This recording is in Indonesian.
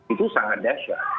itu sangat dasar